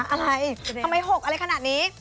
อะไรทำไม๖อะไรขนาดนี้